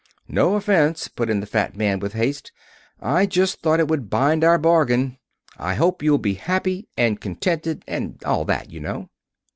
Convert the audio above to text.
"No offense," put in the fat man, with haste. "I just thought it would bind our bargain. I hope you'll be happy, and contented, and all that, you know."